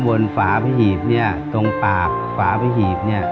บนฝาพระหีบตรงปากฟ้าพระหีบ